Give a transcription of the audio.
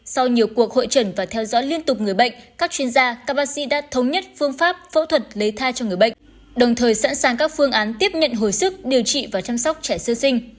sau nhiều cuộc hội trần và theo dõi liên tục người bệnh các chuyên gia các bác sĩ đã thống nhất phương pháp phẫu thuật lấy thai cho người bệnh đồng thời sẵn sàng các phương án tiếp nhận hồi sức điều trị và chăm sóc trẻ sơ sinh